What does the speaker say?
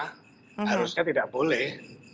harusnya tidak boleh